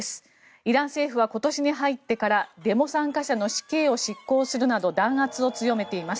イラン政府は今年に入ってからデモ参加者の死刑を執行するなど弾圧を強めています。